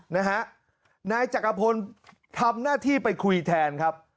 นะฮะนายจักรพลทำหน้าที่ไปคุยแทนครับ